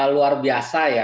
luar biasa ya